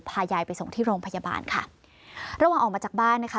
พายายไปส่งที่โรงพยาบาลค่ะระหว่างออกมาจากบ้านนะคะ